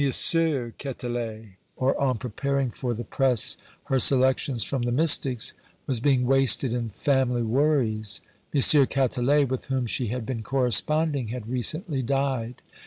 Quetelet, or on preparing for the press her selections from the Mystics, was being wasted in family worries. M. Quetelet, with whom she had been corresponding, had recently died.